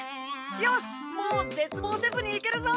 よしもうぜつぼうせずに行けるぞ！